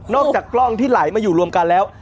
อกจากกล้องที่ไหลมาอยู่รวมกันแล้ว